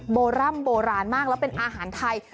โบร่ำโบราณมากแล้วเป็นอาหารไทย